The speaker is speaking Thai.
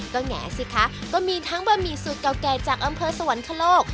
ก็แหงสิคะก็มีทั้งบะหมี่สูตรเก่าแก่จากอำเภอสวรรคโลก